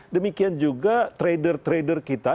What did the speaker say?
demikian juga trader trader kita